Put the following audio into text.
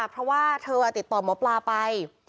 เพราะว่าเธอติดต่อหมอปลาไป